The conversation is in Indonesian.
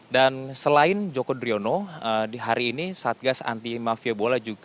dan selain joko driono di hari ini satgas anti mafia bola juga dijadwalkan akan memeriksa wakil bendara humum pssi